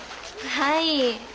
はい。